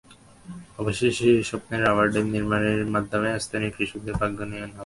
অবশেষে সেই স্বপ্নের রাবার ড্যাম নির্মাণের মাধ্যমে স্থানীয় কৃষকদের ভাগ্যোন্নয়ন হলো।